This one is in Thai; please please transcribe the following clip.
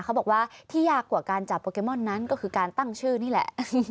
เขาบอกว่าที่ยากกว่าการจับโปเกมอนนั้นก็คือการตั้งชื่อนี่แหละ